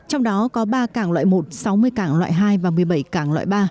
trong đó có ba cảng loại một sáu mươi cảng loại hai và một mươi bảy cảng loại ba